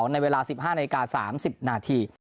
ในเวลา๑๕นาที๓๐นาที